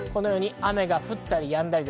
雨が降ったりやんだり。